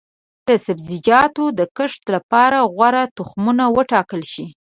د سبزیجاتو د کښت لپاره غوره تخمونه وټاکل شي.